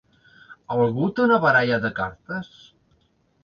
Algú té una baralla de cartes?